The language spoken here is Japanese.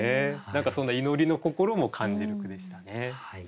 何かそんな祈りの心も感じる句でしたね。